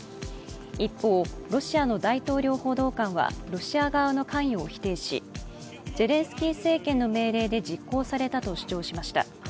一方、ロシアの大統領府高官はロシア側の関与を否定しゼレンスキー政権の命令で実行されたと主張しました。